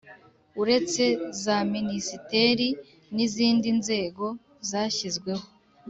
Uretse za Minisiteri n izindi nzego zashyizweho